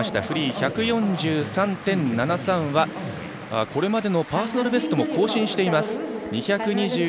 フリー１４３．７３はこれまでのパーソナルベストも更新しています。